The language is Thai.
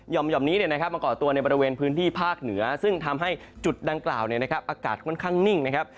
ห่อมนี้มาก่อตัวในบริเวณพื้นที่ภาคเหนือซึ่งทำให้จุดดังกล่าวอากาศค่อนข้างนิ่งนะครับ